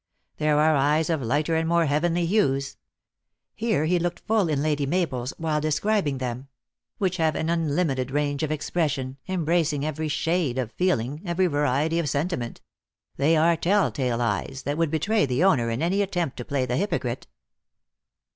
There are eyes of lighter and more heavenly hues," here he looked full in Lady Mabel s, while describing them, " which have an unlimited range of expression, em bracing every shade of feeling, every variety of senti ment. They are tell tale eyes, that would betray the owner in any attempt to play the hypocrite."